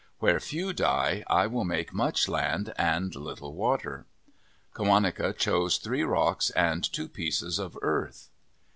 Where few die, I will make much land and little water." Qawaneca chose three rocks and two pieces of earth.